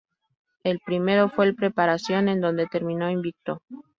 El primero fue el Preparación en donde terminó invicto.